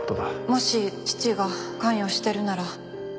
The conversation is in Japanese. もし父が関与してるなら。